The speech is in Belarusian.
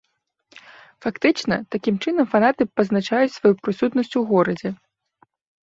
Фактычна, такім чынам фанаты пазначаюць сваю прысутнасць у горадзе.